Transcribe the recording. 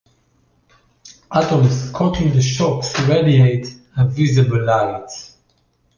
Atoms caught in the shocks radiate a visible light.